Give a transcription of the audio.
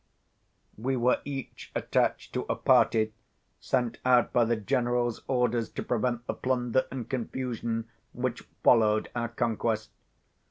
We were each attached to a party sent out by the general's orders to prevent the plunder and confusion which followed our conquest.